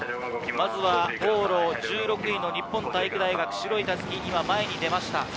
まずは往路１６位の日本体育大学、白い襷、今前に出ました